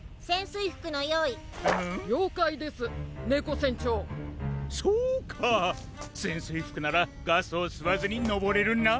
いふくならガスをすわずにのぼれるな！